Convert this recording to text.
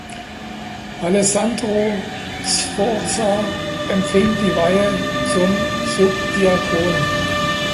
Alessandro Sforza empfing die Weihe zum Subdiakon.